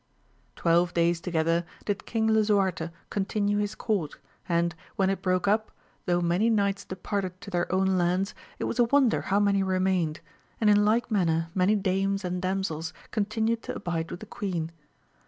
WELVE days together did King Lisuarte continue his court, and, when it broke up, though many knights departed to their own lands, it was a wonder how many remained, and in like manner many dames and damsels continued to abide with the queen.